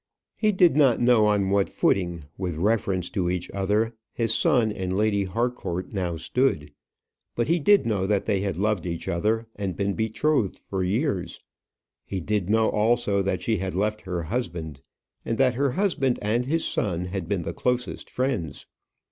He did not know on what footing, with reference to each other, his son and Lady Harcourt now stood; but he did know that they had loved each other, and been betrothed for years; he did know, also, that she had left her husband, and that that husband and his son had been the closest friends.